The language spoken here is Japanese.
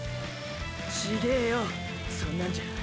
違えよそんなんじゃ。